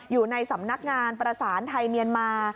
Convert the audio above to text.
อยู่ในสำนักงานประสานไทยเมียนมา